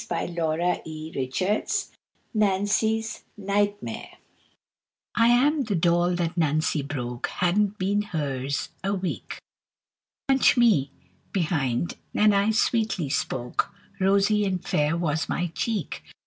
[Illustration: NANCY'S NIGHTMARE] I AM the doll that Nancy broke! Hadn't been hers a week. Punch me behind, and I sweetly spoke; Rosy and fair was my cheek.